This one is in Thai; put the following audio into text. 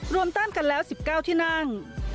รวมตั้งกันแล้ว๑๙ที่นั่ง